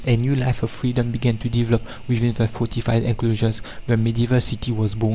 A new life of freedom began to develop within the fortified enclosures. The medieval city was born.